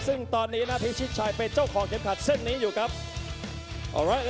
ซึ่งตอนนี้นาพิชิตชัยเป็นเจ้าของเข็มขัดเส้นนี้อยู่ครับ